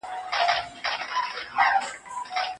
آیا تاسو پوهېږئ چې استاد رشاد د کومو کړنو له امله نوم پيدا کړ؟